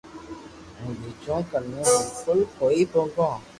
ھين ٻيجو ڪنو بلڪول ڪوئي موگتو